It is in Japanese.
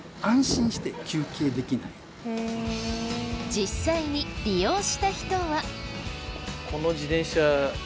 実際に利用した人は。